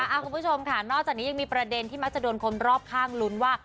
คุณผู้ชมค่ะนอกจากนี้ยังมีประเด็นที่มักจะโดนคนรอบข้างลุ้นว่า